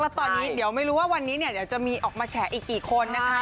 แล้วตอนนี้เดี๋ยวไม่รู้ว่าวันนี้เนี่ยเดี๋ยวจะมีออกมาแฉอีกกี่คนนะคะ